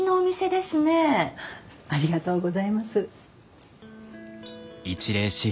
ありがとうございます。